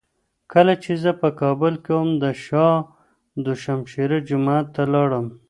کله چي زه په کابل کي وم، د شاه دو شمشېره جومات ته لاړم.